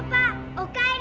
おかえり！